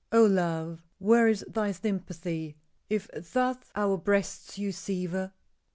Oh, love! where is thy sympathy If thus our breasts you sever?"